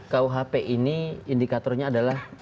kuhp ini indikatornya adalah